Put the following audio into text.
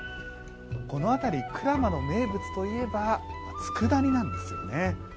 この辺り、鞍馬の名物といえばつくだ煮なんですよね。